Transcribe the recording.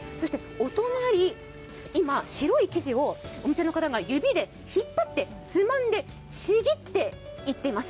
お隣、今、白い生地をお店の方が指で引っ張ってつまんで、ちぎっていっています。